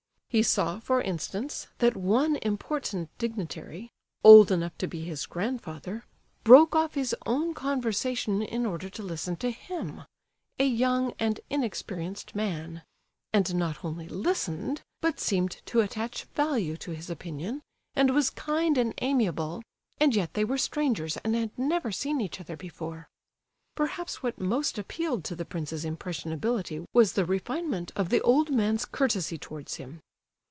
He saw, for instance, that one important dignitary, old enough to be his grandfather, broke off his own conversation in order to listen to him—a young and inexperienced man; and not only listened, but seemed to attach value to his opinion, and was kind and amiable, and yet they were strangers and had never seen each other before. Perhaps what most appealed to the prince's impressionability was the refinement of the old man's courtesy towards him.